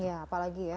iya apalagi ya